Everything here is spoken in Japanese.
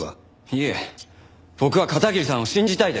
いえ僕は片桐さんを信じたいです。